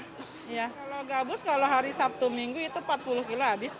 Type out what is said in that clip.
kalau gabus kalau hari sabtu minggu itu empat puluh kilo habis